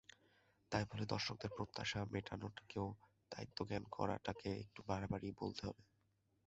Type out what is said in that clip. তাই বলে দর্শকদের প্রত্যাশা মেটানোটাকেও দায়িত্বজ্ঞান করাটাকে একটু বাড়াবাড়িই বলতে হবে।